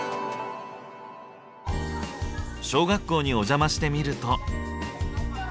小学校にお邪魔してみると。